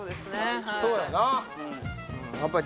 そうやな。